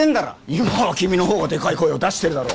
今は君のほうがでかい声を出してるだろ！